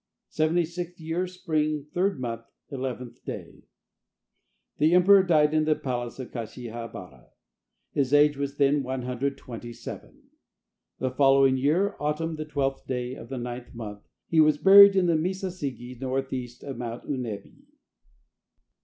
Seventy sixth year, Spring, 3d month, 11th day. The emperor died in the palace of Kashiha bara. His age was then 127. The following year, Autumn, the 12th day of the 9th month, he was buried in the Misasigi, northeast of Mount Unebi.